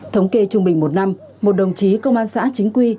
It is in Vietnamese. thống kê trung bình một năm một đồng chí công an xã chính quy